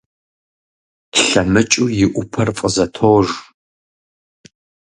ЛъэмыкӀыу и Ӏупэр фӀызэтож.